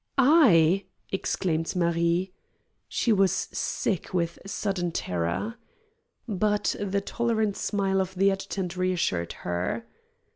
"I!" exclaimed Marie. She was sick with sudden terror. But the tolerant smile of the adjutant reassured her.